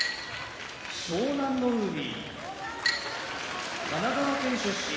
湘南乃海神奈川県出身